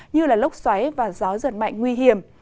như lốc xoáy và gió giật mạnh nguy hiểm